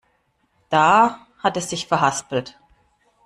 Da hat er sich verhaspelt.